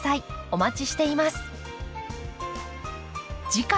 お待ちしています。